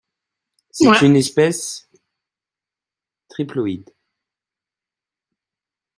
C'est une espèce triploïde.